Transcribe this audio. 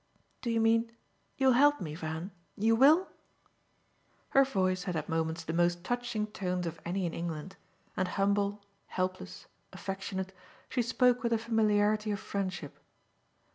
"Do you mean you'll help me, Van, you WILL?" Her voice had at moments the most touching tones of any in England, and humble, helpless, affectionate, she spoke with a familiarity of friendship.